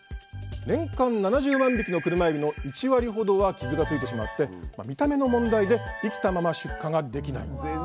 年間７０万匹のクルマエビの１割ほどは傷がついてしまって見た目の問題で生きたまま出荷ができないんです